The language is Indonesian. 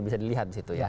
bisa dilihat di situ ya